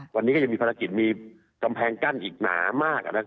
วันนี้ก็ยังมีภารกิจมีกำแพงกั้นอีกหนามาก